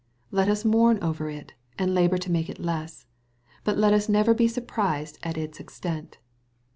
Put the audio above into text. Let us mourn over it, and labor to make it less, but let us never be surprised at its extent.